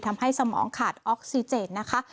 ทำให้สมองขาดออกซีเจนนะคะ